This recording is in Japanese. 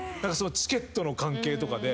チケットの関係とかで。